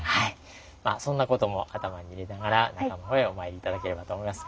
そんなことも頭に入れながら中の方へお参り頂ければと思います。